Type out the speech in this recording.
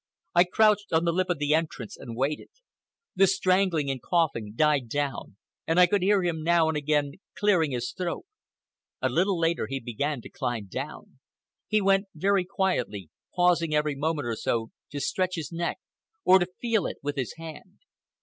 I crouched on the lip of the entrance and waited. The strangling and coughing died down, and I could hear him now and again clearing his throat. A little later he began to climb down. He went very quietly, pausing every moment or so to stretch his neck or to feel it with his hand.